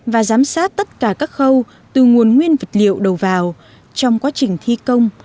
và giám sát tất cả các khâu từ nguồn nguyên vật liệu đầu vào trong quá trình thi công